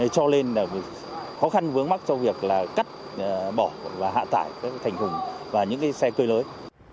cho lên là khó khăn vướng mắt cho việc là cắt bỏ và hạ tài thành thùng và những cái xe cây lưới